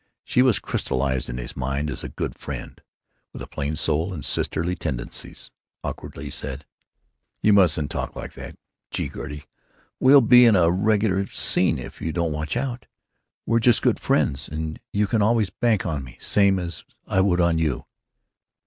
She was crystallized in his mind as a good friend with a plain soul and sisterly tendencies. Awkwardly he said: "You mustn't talk like that.... Gee! Gertie, we'll be in a regular 'scene,' if you don't watch out!... We're just good friends, and you can always bank on me, same as I would on you."